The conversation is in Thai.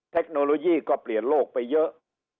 เทคโนโลยีก็เปลี่ยนโลกไปเยอะ